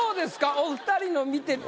お二人の見てて。